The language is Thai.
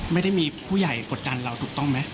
ไม่ได้มีผู้ใหญ่กดดันเราถูกต้องไหม